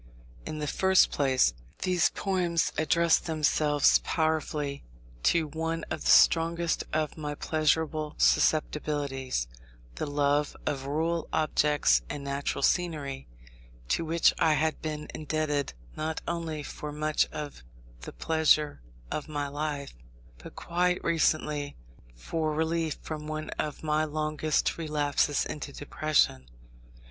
In the first place, these poems addressed themselves powerfully to one of the strongest of my pleasurable susceptibilities, the love of rural objects and natural scenery; to which I had been indebted not only for much of the pleasure of my life, but quite recently for relief from one of my longest relapses into depression.